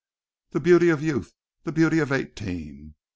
The beauty of youth; the beauty of eighteen!